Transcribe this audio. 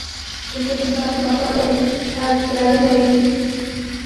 ځکه چې ستاسې بقا تر هر څه اړينه وي.